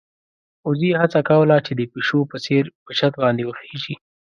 وزې هڅه کوله چې د پيشو په څېر په چت باندې وخېژي.